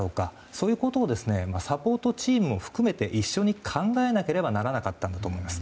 そういうことをサポートチームも含めて一緒に考えなければならなかったんだと思います。